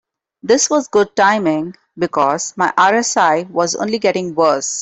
This was good timing, because my RSI was only getting worse.